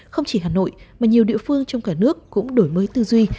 không chỉ hà nội mà nhiều địa phương trong cả nước cũng đổi mới tư duy